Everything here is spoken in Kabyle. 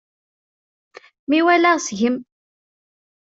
Mi waleɣ seg-m.